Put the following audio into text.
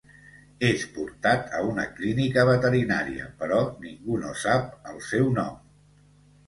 És portat a una clínica veterinària però ningú no sap el seu nom.